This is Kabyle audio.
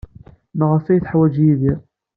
Maɣef ay tt-yeḥwaj Yidir?